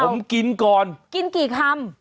ผมกินก่อนกินกี่คำ